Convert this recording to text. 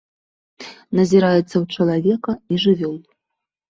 Назіраецца ў чалавека і жывёл.